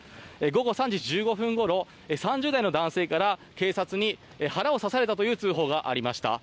午後３時１５分ごろ３０代の男性から警察に腹を刺されたという通報がありました。